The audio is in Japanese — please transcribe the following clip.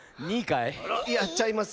いやちゃいます。